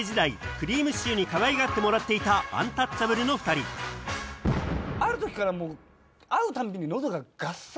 くりぃむしちゅーにかわいがってもらっていたアンタッチャブルの２人ある時から会うたんびに。